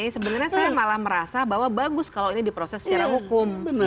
sebenarnya saya malah merasa bahwa bagus kalau ini diproses secara hukum